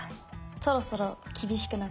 そろそろ厳しくなって。